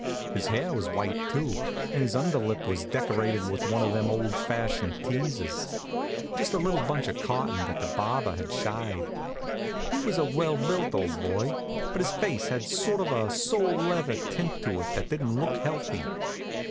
His hair was white, too, and his under lip was decorated with one of them old fashioned teasers just a little bunch of cotton that the barber had shied. He was a well built old boy, but his face had sort of a sole leather tint to it that didn't look healthy.